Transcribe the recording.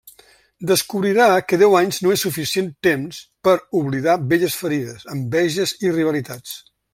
Descobrirà que deu anys no és suficient temps per oblidar velles ferides, enveges i rivalitats.